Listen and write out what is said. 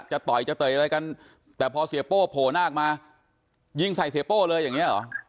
ต่อยจะเตยอะไรกันแต่พอเสียโป้โผล่หน้ามายิงใส่เสียโป้เลยอย่างเงี้เหรอ